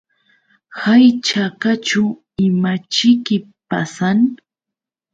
Hay chakaćhu ¿imaćhiki pasan?